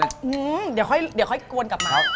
อื้มเดี๋ยวค่อยกวนกลับมา